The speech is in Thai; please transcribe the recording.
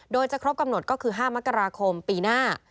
โดยจะครบกำหนดก็คือ๕มกราคมปีหน้า